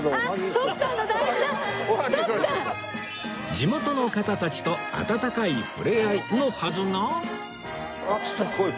地元の方たちと温かいふれあいのはずが